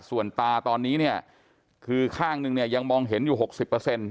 ส่วนตาตอนนี้เนี่ยคือข้างหนึ่งเนี่ยยังมองเห็นอยู่หกสิบเปอร์เซ็นต